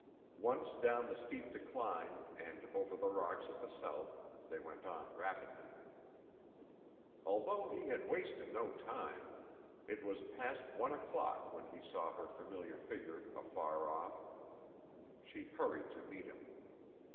Once down the steep decline, and over the rocks at the south, they went on rapidly. Although he had wasted no time, it was past one o'clock when he saw her familiar figure afar off. She hurried to meet him.